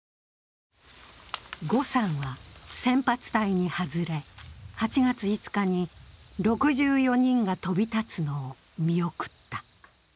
呉さんは先発隊に外れ、８月５日に６４人が飛び立つのを見送った。